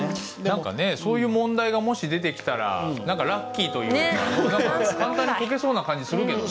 何かねそういう問題がもし出てきたらラッキーというか簡単に解けそうな感じするけどね。